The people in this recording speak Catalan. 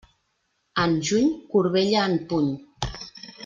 En juny, corbella en puny.